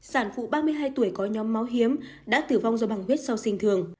sản phụ ba mươi hai tuổi có nhóm máu hiếm đã tử vong do bằng huyết sau sinh thường